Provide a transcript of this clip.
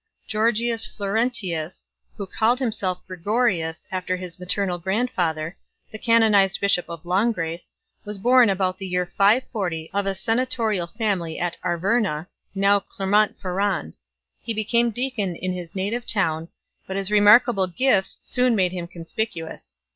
Georgius Florentius, who called himself Gregorius after his maternal grandfather, the canonized bishop of Langres, was born about the year 540 of a senatorial family at Arverna, now Clermont Ferrand. He became deacon in his native town, but his remarkable gifts soon made him conspicuous.